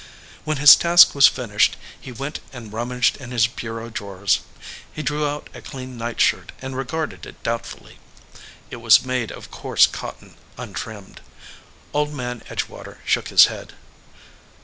When his task was finished he went and rum maged in his bureau drawers. He drew out a clean nightshirt and regarded it doubtfully. It was made of coarse cotton, untrimmed. Old Man Edgewater shook his head.